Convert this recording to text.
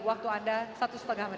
waktu anda satu setengah menit